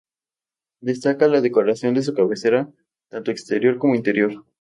Destaca la decoración de su cabecera, tanto exterior como interior.